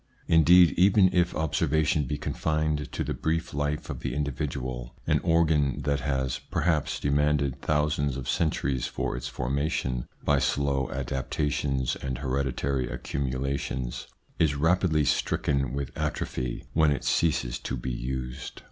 Indeed, even if observation be confined to the brief life of the individual, an organ that has, perhaps, demanded thousands of centuries for its formation by slow adaptations and hereditary accumulations, is rapidly stricken with atrophy when it ceases to be used.